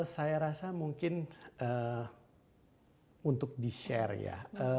saya rasa mungkin untuk di share ya